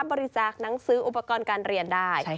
บริจาคหนังสืออุปกรณ์การเรียนได้